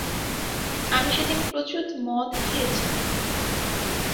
আমি সেদিন প্রচুদ মদ খেয়েছিলাম।